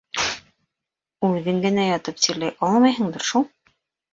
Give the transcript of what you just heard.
— Үҙең генә ятып сирләй алмайһыңдыр шул?!